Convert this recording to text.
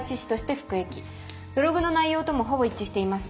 ブログの内容ともほぼ一致しています。